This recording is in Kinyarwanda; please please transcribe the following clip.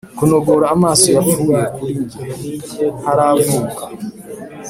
kunogora amaso yapfuye kuri njye, ntaravuka,